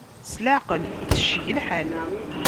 S leɛqel, ittecceg lḥal!